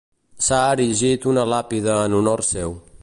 S'ha erigit una làpida en honor seu.